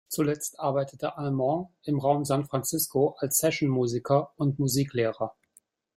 Zuletzt arbeitete Almond im Raum San Francisco als Session-Musiker und Musiklehrer.